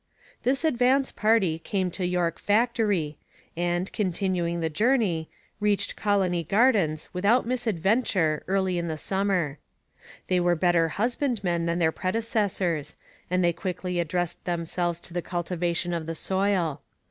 This advance party came to York Factory, and, continuing the journey, reached Colony Gardens without misadventure early in the summer. They were better husbandmen than their predecessors, and they quickly addressed themselves to the cultivation of the soil.